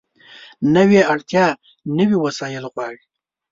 نوې اړتیا نوي وسایل غواړي